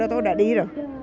tôi đã đi rồi